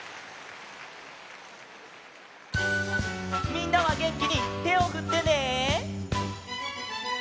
みんなはげんきにてをふってね！